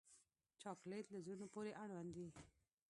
چاکلېټ له زړونو پورې اړوند دی.